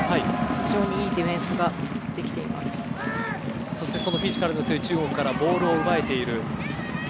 非常にいいディフェンスがフィジカルの強い中国からボールを奪えている。